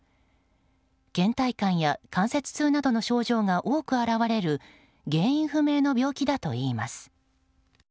倦怠感や関節痛などの症状が多く表れる原因不明の病気だといいます。